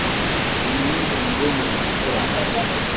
wameanza mgomo wa kula